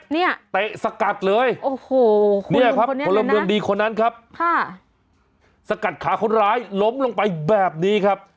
เตะสกัดเลยโอ้โหเนี่ยครับพลเมืองดีคนนั้นครับค่ะสกัดขาคนร้ายล้มลงไปแบบนี้ครับ